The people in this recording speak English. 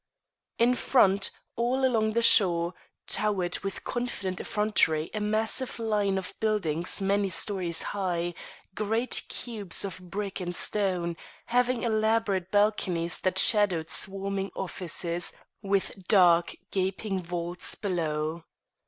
In front, all along the shore, towered with confident effrontery a massive line of buildings many stories high, great cubes of brick and stone, having elaborate balconies that shadowed swarming offices with dark, gaping vaults below.